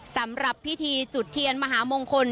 สำหรับพิธีจุดเทียนมหามงคล